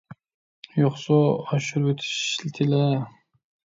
يوقسۇ! ئاشۇرۇۋېتىشتىلە!